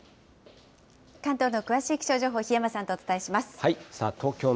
関東の詳しい気象情報、檜山さんとお伝えします。